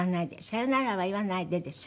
『さよならは言わないで』です。